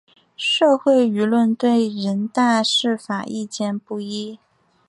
社会舆论对人大释法意见不一。